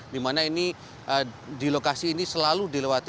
dimana ini di lokasi ini selalu dilewati